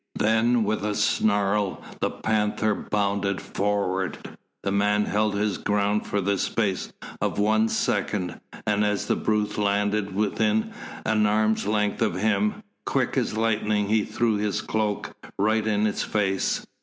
Then with a snarl the panther bounded forward. The man held his ground for the space of one second, and as the brute landed within an arm's length of him, quick as lightning he threw his cloak right in its face.